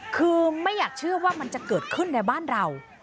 คือไม่อยากเชื่อว่ามันจะเกิดขึ้นในบ้านเรา